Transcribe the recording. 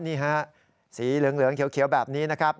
นี่ฮะสีเหลืองเขียวแบบนี้นะครับ